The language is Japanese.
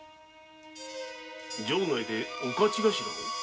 城内でお徒頭を？